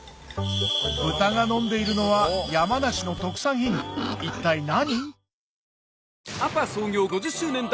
豚が飲んでいるのは山梨の特産品一体何？